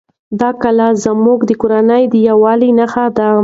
دا کلا زموږ د کورنۍ د یووالي نښه ده.